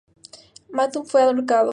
Mahmud fue ahorcado.